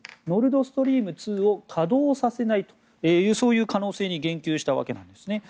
ノルドストリーム２を稼働させないという可能性に言及したわけです。